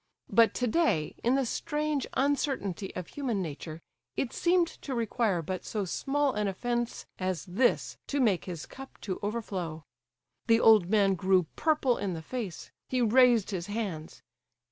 But today, in the strange uncertainty of human nature, it seemed to require but so small an offence as this to make his cup to overflow. The old man grew purple in the face, he raised his hands.